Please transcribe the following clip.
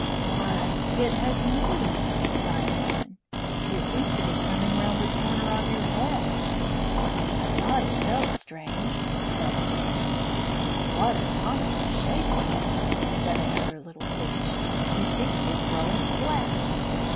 "Why, it has moved!" cried one. "It seems to be coming round the corner of your head." "I thought it felt strange," said Fanny. "What a comical shape you are!" said another little fish. "You seem to be growing flat."